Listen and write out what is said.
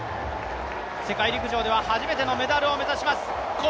世界陸上では初めてのメダルを目指します。